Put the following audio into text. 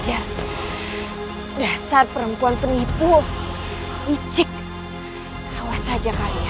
assalamualaikum wr wb